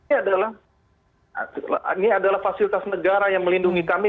ini adalah fasilitas negara yang melindungi kami